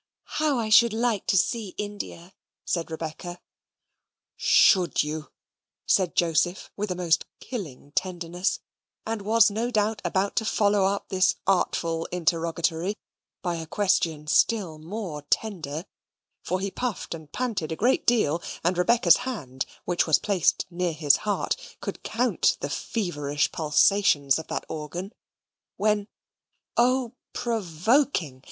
"How I should like to see India!" said Rebecca. "SHOULD you?" said Joseph, with a most killing tenderness; and was no doubt about to follow up this artful interrogatory by a question still more tender (for he puffed and panted a great deal, and Rebecca's hand, which was placed near his heart, could count the feverish pulsations of that organ), when, oh, provoking!